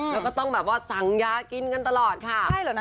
แล้วก็ต้องแบบว่าสังเย้ากินกันตลอดค่ะ